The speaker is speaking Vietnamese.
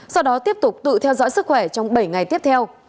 sau đó tiếp tục tự theo dõi sức khỏe trong bảy ngày tiếp theo